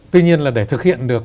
tuy nhiên là để thực hiện được